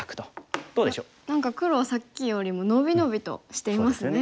何か黒はさっきよりも伸び伸びとしていますね。